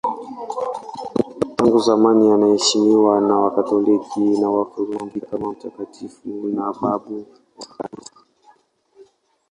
Tangu zamani anaheshimiwa na Wakatoliki na Waorthodoksi kama mtakatifu na babu wa Kanisa.